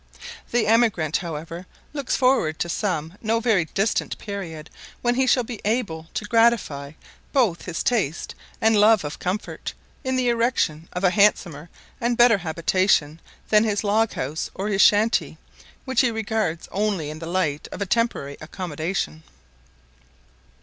The emigrant, however, looks forward to some no very distant period when he shall be able to gratify both his taste and love of comfort in the erection of a handsomer and better habitation than his log house or his shanty, which he regards only in the light of a temporary accommodation.